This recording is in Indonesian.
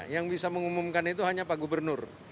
yang bisa mengumumkan itu hanya pak gubernur